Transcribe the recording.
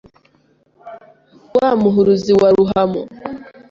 Wa Muhuruzi wa Ruhamo